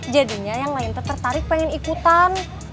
jadinya yang lain tertarik pengen ikutan